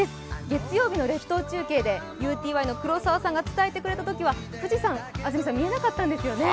月曜日の列島中継でＵＴＹの黒澤さんが伝えてくれたときは、富士山見えなかったんですよね。